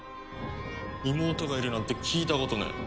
妹がいるなんて聞いたことねえ。